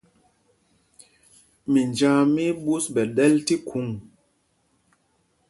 Minjāā mí í ɓǔs ɓɛ̌ ɗɛ̄l tí khuŋ.